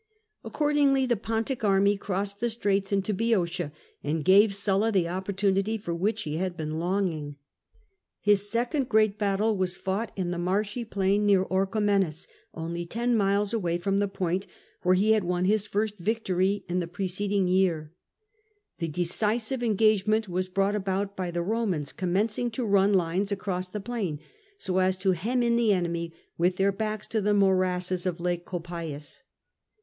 Accordingly the Pontic army crossed the straits into Boeotia, and gave Sulla the opportunity for which he had been longing. His second great battle was fought in the marshy plain near Orchomenus, only ten miles away from the spot where he had won his first victory in the preceding year. The decisive engagement was brought about by the Eomans commencing to run lines across the plain, so as to hem in the enemy with their backs to the morasses of Lake Copais.